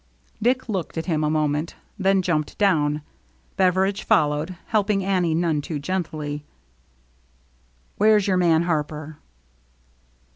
Dick looked at him a moment, then jumped down. Beveridge followed, helping Annie, none too gently. " Where's your man Harper